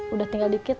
udah tinggal dikit